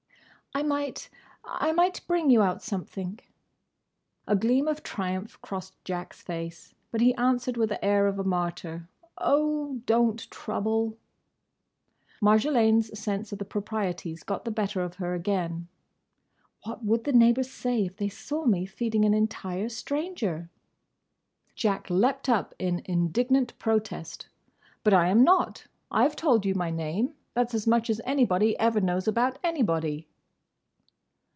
"I might—I might bring you out something—" A gleam of triumph crossed Jack's face, but he answered with the air of a martyr: "Oh! don't trouble!" Marjolaine's sense of the proprieties got the better of her again. "What would the neighbours say if they saw me feeding an entire stranger?" Jack leaped up in indignant protest. "But I 'm not! I 've told you my name. That's as much as anybody ever knows about anybody!"